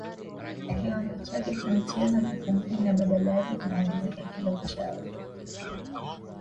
Kiwango chake cha mchezo hakipungui na badala yake kinaongezeka kila uchao